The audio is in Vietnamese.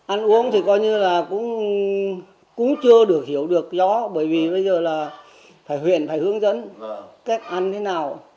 ăn uống thì coi như là cũng chưa được hiểu được gió bởi vì bây giờ là phải huyện phải hướng dẫn cách ăn thế nào